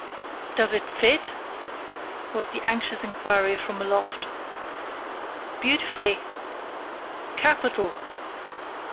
"Does it fit?" was the anxious inquiry from aloft. "Beautifully." "Capital!"